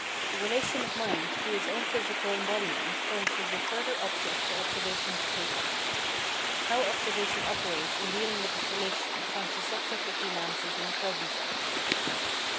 The relation of mind to its own physical embodiment furnishes a further object for observation to take up. How observation operates in dealing with this relation forms the subject of the analysis in the present section.